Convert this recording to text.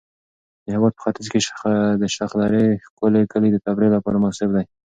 د هېواد په ختیځ کې د شخدرې ښکلي کلي د تفریح لپاره مناسب دي.